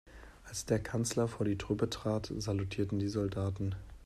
Als der Kanzler vor die Truppe trat, salutierten die Soldaten.